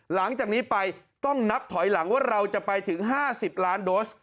หลังจากนี้ไปต้องนับถอยหลังว่าเราจะไปถึง๕๐ล้านโดส